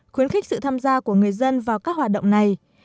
khuyến khích sự tham gia của người dân vào các hoạt động này